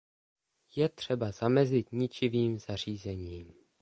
Je třeba zamezit ničivým zařízením.